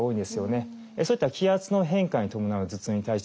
そういった気圧の変化に伴う頭痛に対してですね